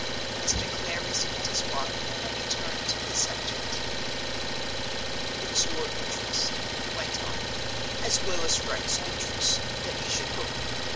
Mr. Clare resumed his walk, and returned to his subject. "It's your interest," he went on, "as well as Frank's interest, that he should go.